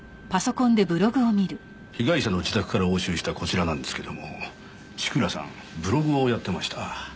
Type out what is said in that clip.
被害者の自宅から押収したこちらなんですけども千倉さんブログをやってました。